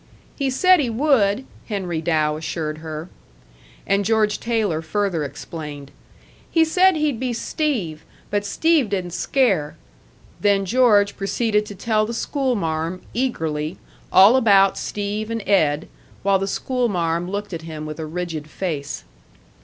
"He said he would," Henry Dow assured her. And George Taylor further explained: "He said he'd be Steve. But Steve didn't scare." Then George proceeded to tell the schoolmarm, eagerly, all about Steve and Ed, while the schoolmarm looked at him with a rigid face.